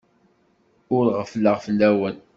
Ur ɣeffleɣ fell-awen.